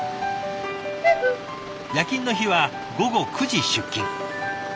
夜勤の日は午後９時出勤。